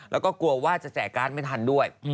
แล้วก็กลัวว่าจะแจกการ์ดไม่ทันด้วย